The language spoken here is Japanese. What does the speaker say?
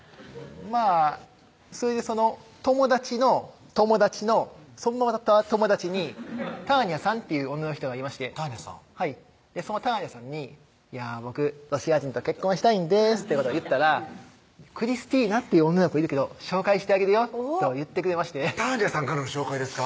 まぁそれでその友達の友達のそのまた友達にターニャさんという女の人がいましてターニャさんそのターニャさんに「いや僕ロシア人と結婚したいんです」ってことを言ったら「クリスティナっていう女の子いるけど紹介してあげるよ」と言ってくれましてターニャさんからの紹介ですか？